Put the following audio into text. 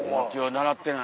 習ってない。